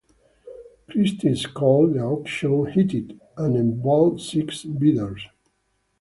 Christie's called the auction "heated" and involved six bidders.